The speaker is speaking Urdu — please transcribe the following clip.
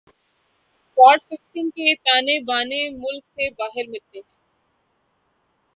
اسپاٹ فکسنگ کے تانے بانے ملک سے باہر ملتےہیں